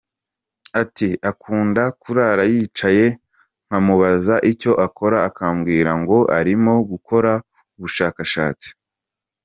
Ati "Akunda kurara yicaye nkamubaza icyo akora akambwira ngo arimo gukora ubushakashatsi.